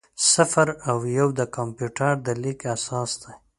صفر او یو د کمپیوټر د لیک اساس دی.